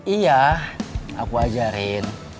iya aku ajarin